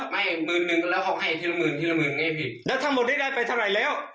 ไม่หมื่นหนึ่งแล้วเขาให้ทีละหมื่นทีละหมื่นให้พี่แล้วทั้งหมดนี้ได้ไปเท่าไหร่แล้ว